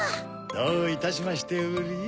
どういたしましてウリ。